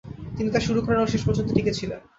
তিনি তা শুরু করেন ও শেষ পর্যন্ত টিকেছিল।